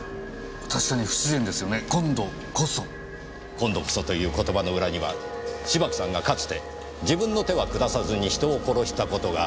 「今度こそ」という言葉の裏には芝木さんがかつて自分の手は下さずに人を殺した事がある。